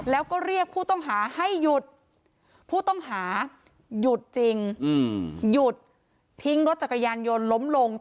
แล้วก็เรียกผู้ต้องหาให้หยุดผู้ต้องหาหยุดจริงหยุดทิ้งรถจักรยานยนต์ล้มลง